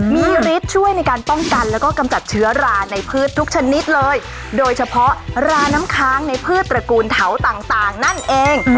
มีฤทธิ์ช่วยในการป้องกันแล้วก็กำจัดเชื้อราในพืชทุกชนิดเลยโดยเฉพาะราน้ำค้างในพืชตระกูลเถาต่างนั่นเอง